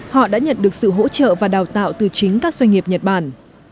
họ đã nhận được sự hỗ trợ và đào tạo từ chính các doanh nghiệp nhật bản